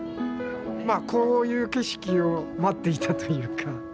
まあこういう景色を待っていたというか。